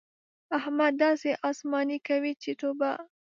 احمد داسې اسماني کوي چې توبه!